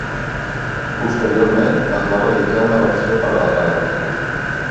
Posteriorment, es va realitzar una versió per a la televisió.